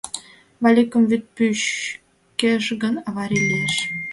Валикым вӱд пӱчкеш гын, аварий лиеш.